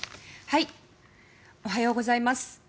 おはようございます。